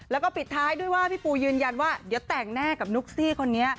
แล้วก็ปิดท้ายด้วยว่าพี่ปูยืนยันว่าเดี๋ยวแต่งหน้ากับนุ๊กซี่คนนี้